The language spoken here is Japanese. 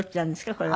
これは。